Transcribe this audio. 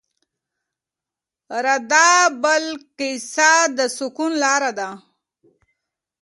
رضا بالقضا د سکون لاره ده.